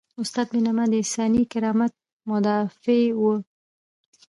استاد بینوا د انساني کرامت مدافع و.